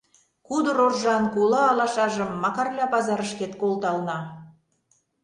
Кудыр оржан кула алашажым Макарля пазарышкет колтална.